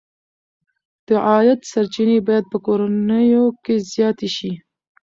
د عاید سرچینې باید په کورنیو کې زیاتې شي.